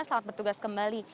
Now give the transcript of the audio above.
selamat bertugas kembali